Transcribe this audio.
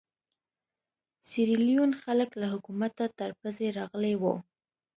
سیریلیون خلک له حکومته تر پزې راغلي وو.